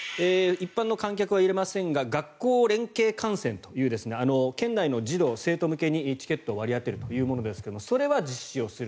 一般の観客は入れませんが学校連携観戦という県内の児童・生徒向けにチケットを割り当てるというものですがそれは実施をする。